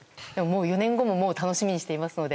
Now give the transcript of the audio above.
４年後も楽しみにしていますので。